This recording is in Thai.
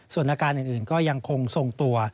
ส่วนอาการอื่นก็ยังคงทรงตัว